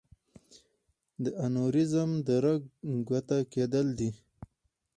د انوریزم د رګ ګوټه کېدل دي.